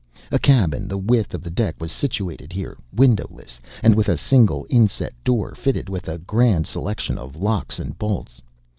A cabin, the width of the deck, was situated here, windowless and with a single inset door fitted with a grand selection of locks and bolts.